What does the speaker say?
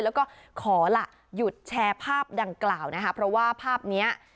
แล้วก็ขอล่ะหยุดแชร์ภาพดังกล่าวนะคะเพราะว่าภาพเนี้ย